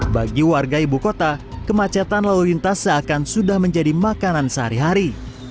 bagi warga ibu kota kemacetan lalu lintas seakan sudah menjadi makanan sehari hari